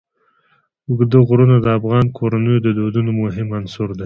اوږده غرونه د افغان کورنیو د دودونو مهم عنصر دی.